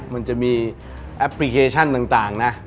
มันจะมีแอปพลิเคชันต่างนะ